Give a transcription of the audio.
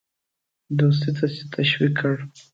دوستی ته تشویق کړ.